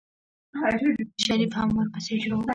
شريف هم ورپسې شو.